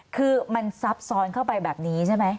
คือมันซับซ้อนเข้าไปแบบนี้ใช่ไหม